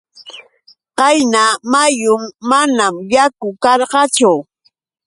Qayna muyun manam yaku karqachu.